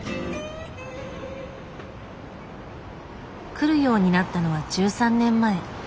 来るようになったのは１３年前。